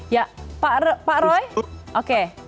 ya pak roy oke